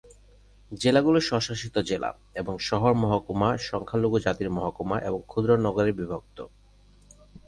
জেলাগুলি স্বশাসিত জেলা এবং শহর মহকুমা, সংখ্যালঘু জাতির মহকুমা এবং ক্ষুদ্র নগরে বিভক্ত।